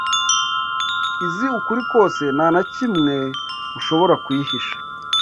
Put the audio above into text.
Izi ukuri kose nta na kimwee ushobora kuyihisha